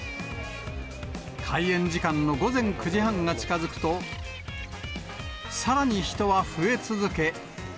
開園時間の午前９時半が近づくと、さらに人は増え続け。